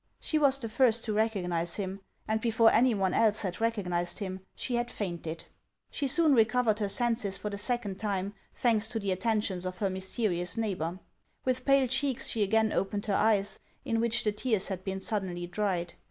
She was the first to recognize him, and before any one else had recog nized him, she had fainted. She soon recovered her senses for the second time, thanks to the attentions of her mysterious neighbor. "With pale cheeks, she again opened her eyes, in which the tears had been suddenly dried.